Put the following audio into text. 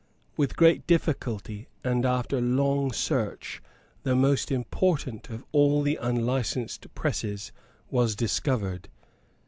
With great difficulty and after long search the most important of all the unlicensed presses was discovered.